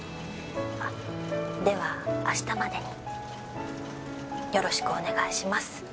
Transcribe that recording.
あっでは明日までによろしくお願いします。